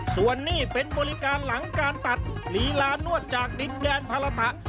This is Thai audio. ส่วนนี้เป็นบริการหลังการตัดลีลานวดจากดินแดนภาระตะ